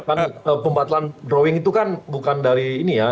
karena pembatalan drawing itu kan bukan dari ini ya